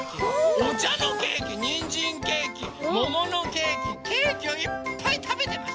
おちゃのケーキにんじんケーキもものケーキケーキをいっぱいたべてます。